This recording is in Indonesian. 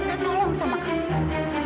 kalau kamu memang masih mau keutuhan rumah tante